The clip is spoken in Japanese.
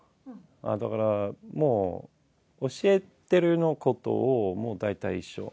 だから、もう教えてることを大体一緒。